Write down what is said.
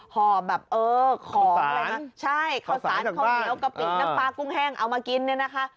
หอบแบบเออของอะไรนะใช่ข้าวสารข้าวเหนียวกะปิน้ำปลากุ้งแห้งเอามากินเนี่ยนะคะ